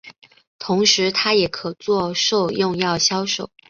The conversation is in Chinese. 同时它也可作兽用药销售。